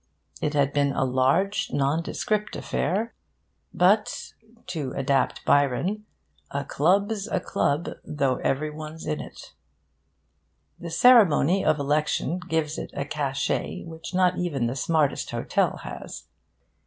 It had been a large nondescript affair. But (to adapt Byron) a club's a club tho' every one's in it. The ceremony of election gives it a cachet which not even the smartest hotel has.